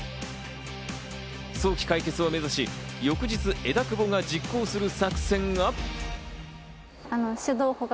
早期解決を目指し、翌日、枝久保が実行する作戦が。